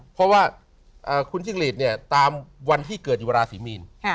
เพราะว่าคุณจิ้งหลีดเนี่ยตามวันที่เกิดอยู่ราศีมีน